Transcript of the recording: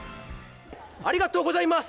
ありがとうございます。